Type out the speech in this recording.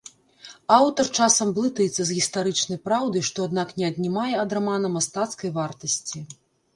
Аўтар часам блытаецца з гістарычнай праўдай, што аднак не аднімае ад рамана мастацкай вартасці.